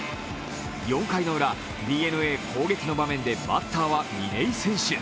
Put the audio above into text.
４回のウラ、ＤｅＮＡ攻撃の場面でバッターは嶺井選手